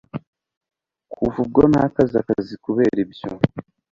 kuva ubwo ntakaza akazi kubera byo